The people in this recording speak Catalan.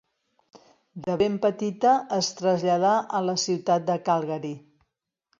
De ben petita es traslladà a la ciutat de Calgary.